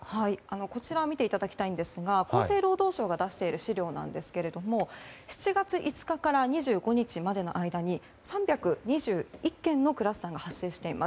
こちらを見ていただきたいんですが厚生労働省が出している資料なんですけれども７月５日から２５日までの間に３２１件のクラスターが発生しています。